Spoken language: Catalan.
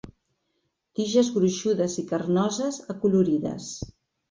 Tiges gruixudes i carnoses, acolorides.